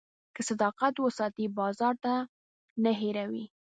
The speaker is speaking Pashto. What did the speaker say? که صداقت وساتې، بازار تا نه هېروي.